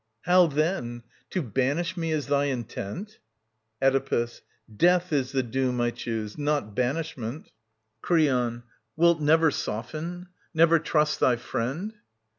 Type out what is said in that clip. How then ? To banish me is thy intent ? Oedipus. Death is the doom I choose,_iiQt .banishment. Creon. Wilt never soften, never trust thy friend